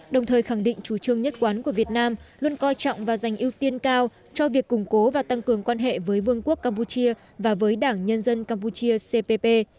đồng thời khẳng định chủ trương nhất quán của việt nam luôn coi trọng và dành ưu tiên cao cho việc củng cố và tăng cường quan hệ với vương quốc campuchia và với đảng nhân dân campuchia cpp